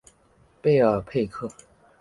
贝尔佩克。